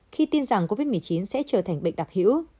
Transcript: khi tin rằng covid một mươi chín sẽ trở thành bệnh đặc hữu